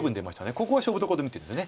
ここが勝負どこと見てるんです。